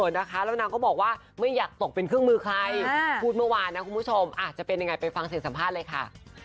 แล้วนางก็บอกว่าไม่อยากตกเป็นเครื่องมือใครพูดเมื่อวานนะคุณผู้ชมอาจจะเป็นยังไงไปฟังเสียงสัมภาษณ์เลยค่ะ